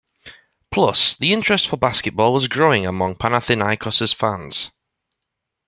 Plus, the interest for basketball was growing among Panathinaikos's fans.